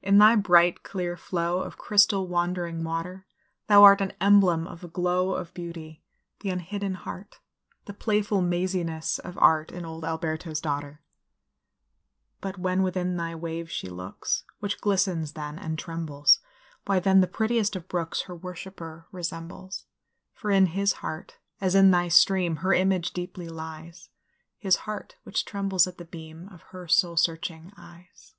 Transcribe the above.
in thy bright, clear flow Of crystal, wandering water, Thou art an emblem of the glow Of beauty the unhidden heart The playful maziness of art In old Alberto's daughter; But when within thy wave she looks Which glistens then, and trembles Why, then, the prettiest of brooks Her worshipper resembles; For in his heart, as in thy stream, Her image deeply lies His heart which trembles at the beam Of her soul searching eyes.